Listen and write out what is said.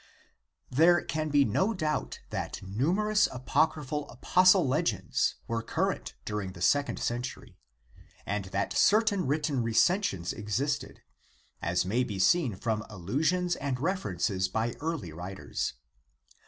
There can be no doubt that numerous apocryphal apostle legends were current during the second century, and that certain written recensions existed, as may be seen from allusions and references by early writers.